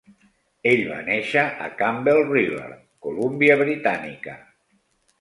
Ell va néixer a Campbell River, Colúmbia Britànica.